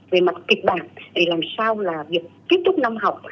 về mặt kịch bản để làm sao là việc tiếp tục năm học